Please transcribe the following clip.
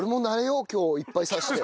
今日いっぱい刺して。